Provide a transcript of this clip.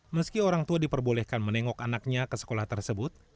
meski orang tua diperbolehkan menengok anaknya ke sekolah tersebut